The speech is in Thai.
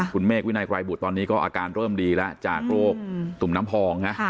คุณเมฆวินัยไกรบุตรตอนนี้ก็อาการเริ่มดีแล้วจากโรคตุ่มน้ำพองนะ